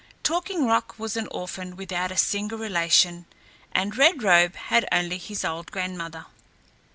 Talking Rock was an orphan without a single relation and Red Robe had only his old grandmother.